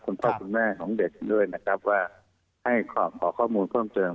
คุณพ่อคุณแม่ของเด็กด้วยนะครับว่าให้ขอข้อมูลเพิ่มเติม